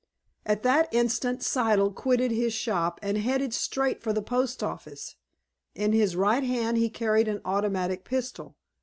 At that instant Siddle quitted his shop, and headed straight for the post office. In his right hand he carried an automatic pistol.